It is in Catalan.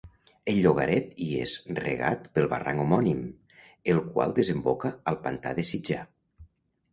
El llogaret hi és regat pel barranc homònim, el qual desemboca al pantà de Sitjar.